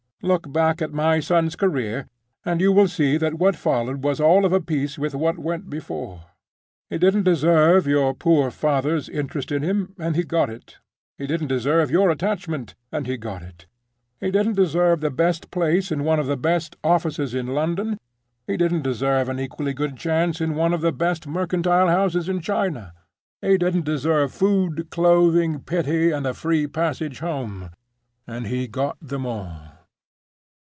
Look back at my son's career, and you will see that what followed was all of a piece with what went before. He didn't deserve your poor father's interest in him—and he got it. He didn't deserve your attachment—and he got it. He didn't deserve the best place in one of the best offices in London; he didn't deserve an equally good chance in one of the best mercantile houses in China; he didn't deserve food, clothing, pity, and a free passage home—and he got them all.